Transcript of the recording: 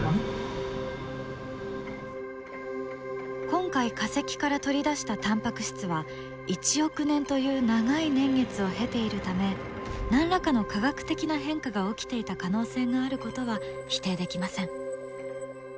今回化石から取り出したタンパク質は１億年という長い年月を経ているため何らかの化学的な変化が起きていた可能性があることは否定できません。